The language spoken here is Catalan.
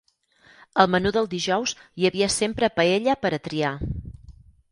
Al menú del dijous hi havia sempre paella per a triar.